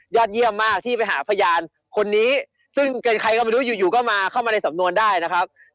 เยี่ยมมากที่ไปหาพยานคนนี้ซึ่งเป็นใครก็ไม่รู้อยู่ก็มาเข้ามาในสำนวนได้นะครับ